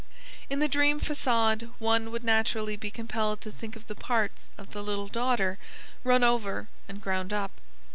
In the dream façade one would naturally be compelled to think of the parts of the little daughter run over and ground up.